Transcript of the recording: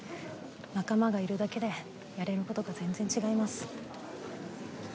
仲間がいるだけでやれることが全然違います。